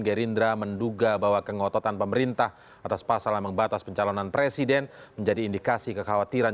gerindra menduga bahwa kengototan pemerintah atas pasal ambang batas pencalonan presiden menjadi indikasi kekhawatiran